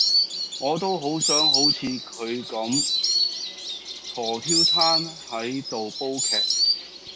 我都好想好似佢咁佗佻攤喺度煲劇